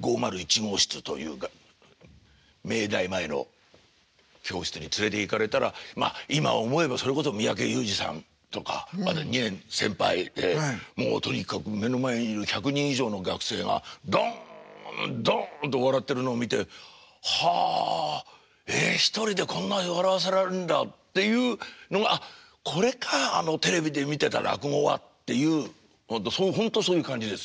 ５０１号室という明大前の教室に連れていかれたらまっ今思えばそれこそ三宅裕司さんとか２年先輩でもうとにかく目の前にいる１００人以上の学生がドンドンと笑ってるのを見て「はあえ？１人でこんなに笑わせられるんだ」っていうのが「ああこれかあのテレビで見てた落語は」っていうほんとそういう感じです。